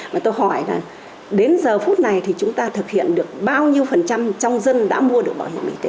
mà tôi hỏi là đến giờ phút này thì chúng ta thực hiện được bao nhiêu phần trăm trong dân đã mua được bảo hiểm y tế